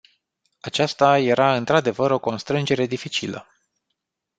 Aceasta era într-adevăr o constrângere dificilă.